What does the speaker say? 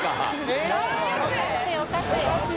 おかしい